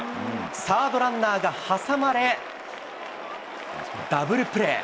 サードランナーが挟まれ、ダブルプレー。